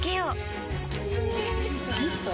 ミスト？